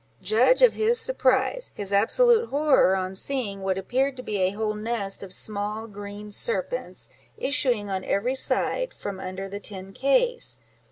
Judge of his surprise, his absolute horror, on seeing what appeared to be a whole nest of small green serpents, issuing on every side from under the tin case!